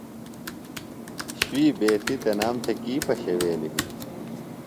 شُوئی بیتیۡ تنام تھےۡ کی پشَویلیۡ ہنیۡ؟